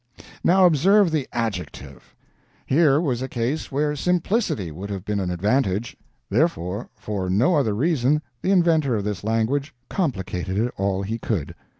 Now observe the Adjective. Here was a case where simplicity would have been an advantage; therefore, for no other reason, the inventor of this language complicated it all he could.